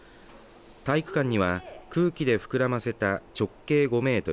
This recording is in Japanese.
体育館には空気で膨らませた直径５メートル